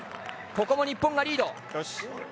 ここも日本がリード。